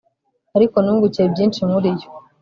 ariko nungukiye byinshi muri yo